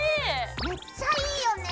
めっちゃいいよね。